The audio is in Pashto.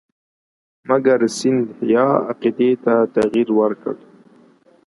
مګر سیندهیا عقیدې ته تغیر ورکړ.